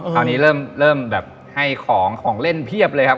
คราวนี้เริ่มแบบให้ของของเล่นเพียบเลยครับ